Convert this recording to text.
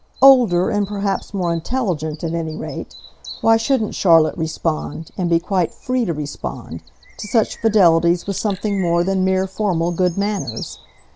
Older and perhaps more intelligent, at any rate, why shouldn't Charlotte respond and be quite FREE to respond to such fidelities with something more than mere formal good manners?